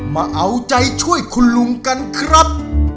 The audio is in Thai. มาเอาใจช่วยคุณลุงกันครับ